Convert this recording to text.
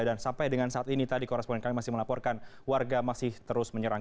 dan sampai dengan saat ini tadi koresponden kami masih melaporkan warga masih terus menyerang